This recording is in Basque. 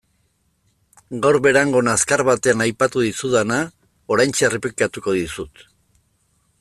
Gaur Berangon azkar batean aipatu dizudana oraintxe errepikatuko dizut.